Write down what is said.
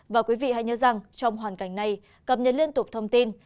và quý vị hãy nhớ rằng trong hoàn cảnh này cập nhật liên tục thông tin